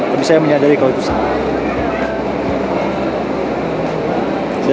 tapi saya menyadari kalau itu salah